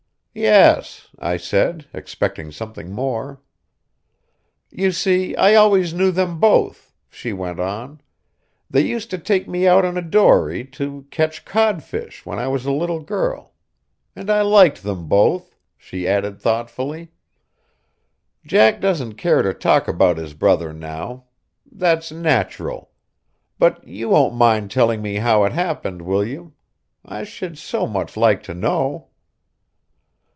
"Yes," I said, expecting something more. "You see, I always knew them both," she went on. "They used to take me out in a dory to catch codfish when I was a little girl, and I liked them both," she added thoughtfully. "Jack doesn't care to talk about his brother now. That's natural. But you won't mind telling me how it happened, will you? I should so much like to know."